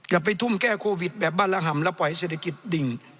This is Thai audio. อย่าไปทุ่มแก้โควิดแบบบ้านระห่ำแล้วปล่อยเศรษฐกิจดิ่ง